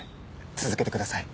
続けてください。